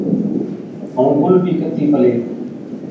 ائُون گُل بِي ڪِرتِي پلي۔